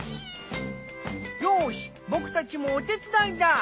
よし僕たちもお手伝いだ。